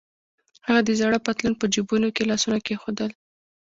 هغه د زاړه پتلون په جبونو کې لاسونه کېښودل.